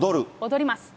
踊ります。